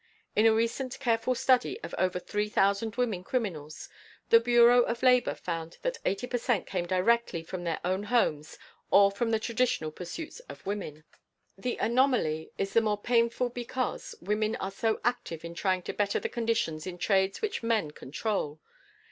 In a recent careful study of over 3000 women criminals, the Bureau of Labor found that 80 per cent came directly from their own homes or from the traditional pursuits of women! The anomaly is the more painful because women are so active in trying to better the conditions in trades which men control.